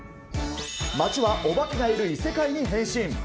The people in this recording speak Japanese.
町はお化けがいる異世界に変身。